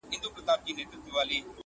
څوک چي زرګر نه وي د زرو قدر څه پیژني!٫.